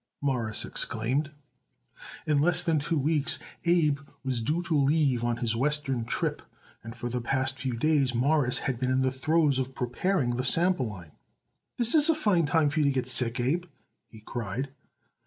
Morris exclaimed. In less than two weeks Abe was due to leave on his Western trip, and for the past few days Morris had been in the throes of preparing the sample line. "This is a fine time for you to get sick, Abe," he cried.